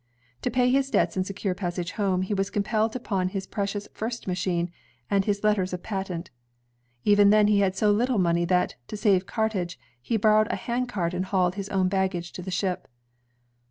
To pay his debts and secure passage home, he was compelled to pawn his precious first machine and his letters of patent. Even then he had so little money that, to save cartage, he borrowed a handcart and hauled his own baggage to the ship.